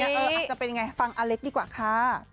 อาจจะเป็นยังไงฟังอเล็กดีกว่าค่ะ